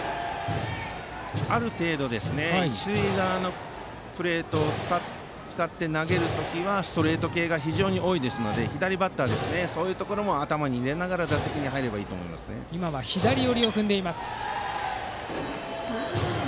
ある程度一塁側のプレートを使って投げる時はストレート系が非常に多いですので左バッター、そういうところも頭に入れながら今は左寄りを踏んでいます。